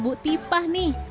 bu tipah nih